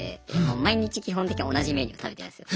毎日基本的に同じメニュー食べてるんですよ。